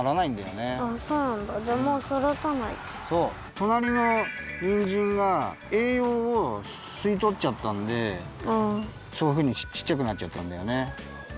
となりのにんじんがえいようをすいとっちゃったんでそういうふうにちっちゃくなっちゃったんだよね。